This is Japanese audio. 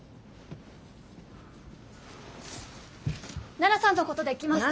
奈々さんのことで来ました。